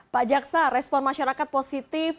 pak jaksa respon masyarakat positif